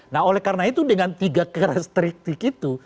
nah oleh karena itu dengan tiga karakteristik itu